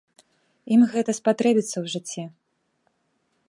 Ім гэта спатрэбіцца ў жыцці.